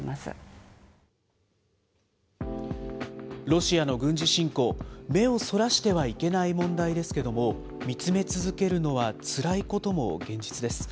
ロシアの軍事侵攻、目をそらしてはいけない問題ですけども、見つめ続けるのはつらいことも現実です。